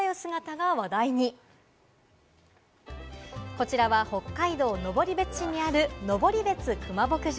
こちらは北海道登別市にある、のぼりべつクマ牧場。